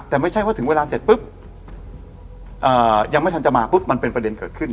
แต่ไม่ใช่ว่าถึงเวลาเสร็จปุ๊บยังไม่ทันจะมาปุ๊บมันเป็นประเด็นเกิดขึ้น